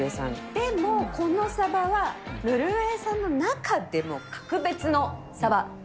でも、このサバはノルウェー産の中でも格別のサバ。